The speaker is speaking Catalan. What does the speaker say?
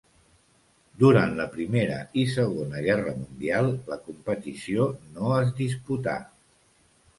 Durant la Primera i Segona Guerra Mundial la competició no es disputà.